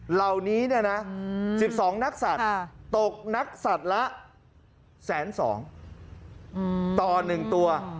เหล่านี้เนี่ยนะ๑๒นักสัตว์ตกนักสัตว์ละ๑๒๐๐ต่อ๑ตัว